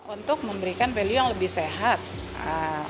untuk memberikan value yang lebih sehat oke kita bisa berikan